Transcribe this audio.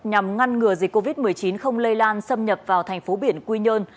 nhằm ngăn ngừa dịch covid một mươi chín không lây lan xâm nhập vào thành phố biển quy nhơn